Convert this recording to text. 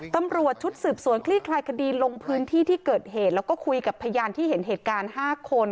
ตำรวจชุดสืบสวนคลี่คลายคดีลงพื้นที่ที่เกิดเหตุแล้วก็คุยกับพยานที่เห็นเหตุการณ์๕คน